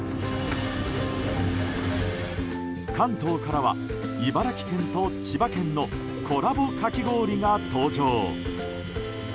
関東からは、茨城県と千葉県のコラボかき氷が登場。